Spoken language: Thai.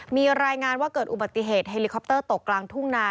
มีรายงานว่าเกิดอุบัติเหตุเฮลิคอปเตอร์ตกกลางทุ่งนา